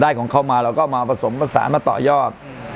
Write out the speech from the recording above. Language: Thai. พอได้ของเขามาเราก็มาผสมภาษามาต่อยอด